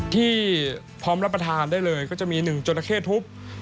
ที่พร้อมรับประทานได้เลยก็จะมี๑จราเข้ทุบ